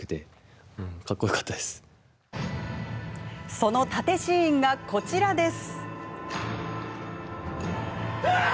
その殺陣シーンがこちらです。